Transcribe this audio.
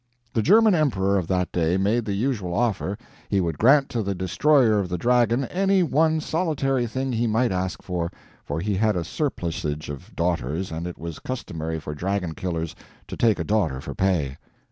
The German emperor of that day made the usual offer: he would grant to the destroyer of the dragon, any one solitary thing he might ask for; for he had a surplusage of daughters, and it was customary for dragon killers to take a daughter for pay.